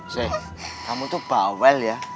saya kamu tuh bawel ya